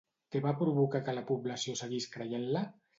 Què va provocar que la població seguís creient-la?